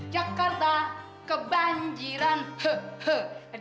jakarta kebanjiran he he